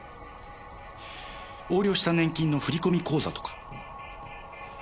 横領した年金の振込口座とか？